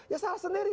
ya salah sendiri